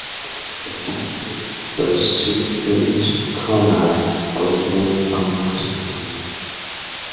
In that year the see for east Connacht was moved from Roscommon.